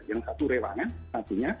yang satu rewangan